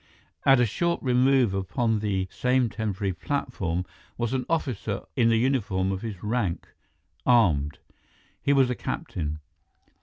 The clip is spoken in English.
At a short remove upon the same temporary platform was an officer in the uniform of his rank, armed. He was a captain.